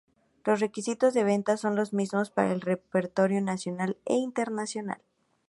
Los requisitos de venta son los mismos para el repertorio nacional e internacional.